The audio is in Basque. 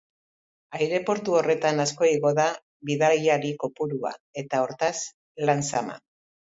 Aireportu horretan asko igo da bidaiari kopurua eta, hortaz, lan zama.